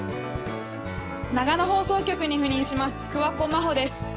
長野放送局に赴任します